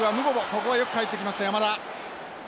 ここはよく帰ってきました山田。